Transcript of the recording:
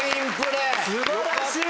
素晴らしい！